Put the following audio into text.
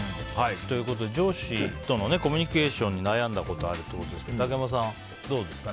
上司とのコミュニケーションに悩んだことがあるということですが竹山さん、どうですか。